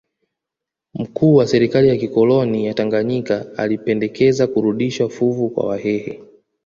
Mkuu wa serikali ya kikoloni ya Tanganyika alipendekeza kurudisha fuvu kwa Wahehe